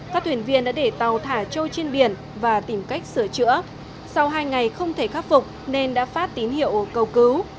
các thuyền viên đã để tàu thả trôi trên biển và tìm cách sửa chữa sau hai ngày không thể khắc phục nên đã phát tín hiệu cầu cứu